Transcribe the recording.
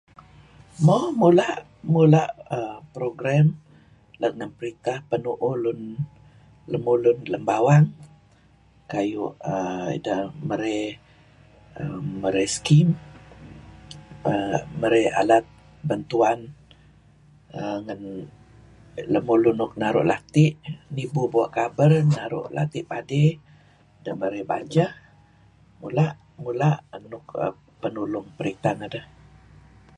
Mo, mula, mula err program let ngen periteh penu'uh lun lemulun lem bawang, kayu' err deh merey scheme err merey alat bantuan err ngen lemulun nuk naru' lati' , nibu bua' kaber, naru' lati' padey, ideh merey bajah, mula' mula' nuk penulung periteh ngedeh.